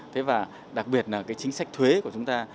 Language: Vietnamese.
thế và đặc biệt là cái chính sách thuế của chúng ta